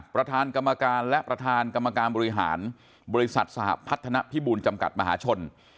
ประธานกรรมการและประธานกรรมการบริหารบริษัทสหพัฒนภิบูลจำกัดมหาชน